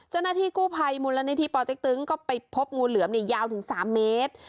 เจ้าหน้าที่กู้ภัยมุลณิธีปติ๊กตึ๊งก็ไปพบงูเหลือมเนี่ยยาวถึงสามเมตร